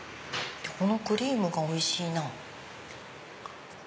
でこのクリームがおいしいな。